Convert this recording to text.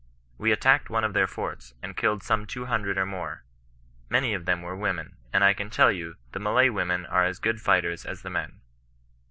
We attacked one of their forts, and killed some two hundred or more. Many of them were women ; and I can tell you, the Malay women are as good fighters as the men.